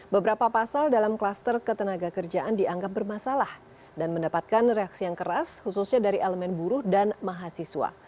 beberapa pasal dalam kluster ketenaga kerjaan dianggap bermasalah dan mendapatkan reaksi yang keras khususnya dari elemen buruh dan mahasiswa